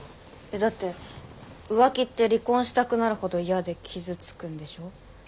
えっだって浮気って離婚したくなるほど嫌で傷つくんでしょ？